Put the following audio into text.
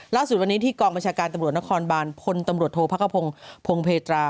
ล่าสุดวันนี้ที่กองบัญชาการตำรวจนครบานพลตำรวจโทษพระกระพงศ์พงเพตรา